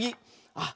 あっ。